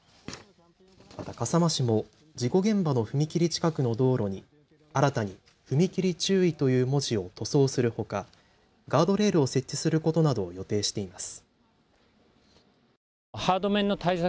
また笠間市も事故現場の踏切近くの道路に新たに踏切注意という文字を舗装するほかガードレールを設置することなどを予定しています。